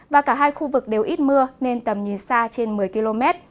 và cả hai khu vực đều ít mưa nên tầm nhìn xa trên một mươi km